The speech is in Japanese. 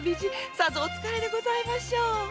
さぞお疲れでございましょう。